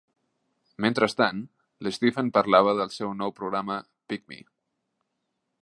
Mentrestant, l'Stephen parlava del seu nou programa Pick Me!